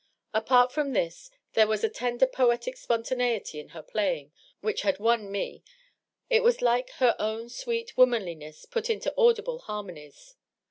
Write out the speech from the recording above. Apart from this, there was a tender poetic spontaneity in her playing which had won me ; it was like her own sweet womanliness put into audible harmonies.